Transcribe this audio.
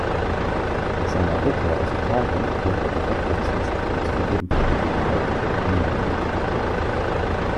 Nach seiner Rückkehr aus Italien wurde er Direktor des Instituts für Lebensmittelsicherheit und Veterinärmedizin.